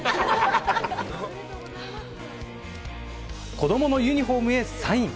子供のユニホームにサイン。